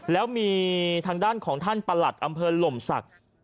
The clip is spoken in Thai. แล้วมีทางด้านของท่านประหลัดอำเภอหล่มศักดิ์